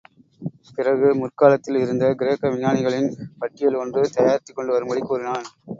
பிறகு, முற்காலத்தில் இருந்த கிரேக்க விஞ்ஞானிகளின் பட்டியல் ஒன்று தயாரித்துக்கொண்டு வரும்படி கூறினான்.